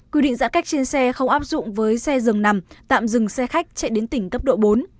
quy định giãn cách trên xe không áp dụng với xe dừng nằm tạm dừng xe khách chạy đến tỉnh cấp độ bốn